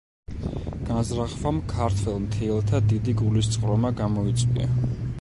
განზრახვამ ქართველ მთიელთა დიდი გულისწყრომა გამოიწვია.